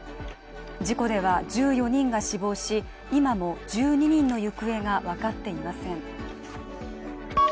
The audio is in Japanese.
事故では１４人が死亡し、今も１２人の行方が分かっていません。